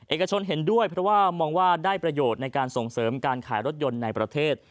เอกชนเห็นด้วยเพราะว่ามองว่าได้ประโยชน์ในการส่งเสริมการขายรถยนต์ในประเทศ